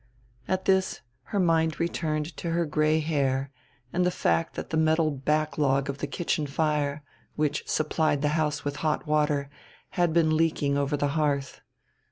At this her mind returned to her gray hair and the fact that the metal backlog of the kitchen fire, which supplied the house with hot water, had been leaking over the hearth.